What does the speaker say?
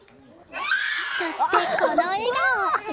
そして、この笑顔！